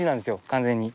完全に。